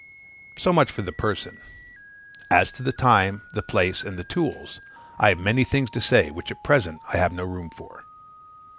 So much for the person. As to the time, the place, and the tools, I have many things to say, which at present I have no room for.